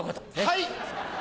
はい！